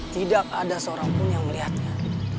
tidak ada seorang pun yang melihatnya